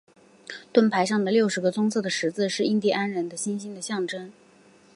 盾牌上的六个棕色的十字是印第安人的星星的象征。